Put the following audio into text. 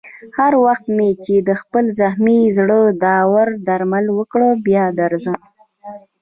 هر وخت مې چې د خپل زخمي زړه دارو درمل وکړ، بیا درځم.